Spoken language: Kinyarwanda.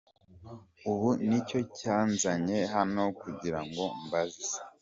Ubu nicyo cyanzanye hano kugirango mbaze”’.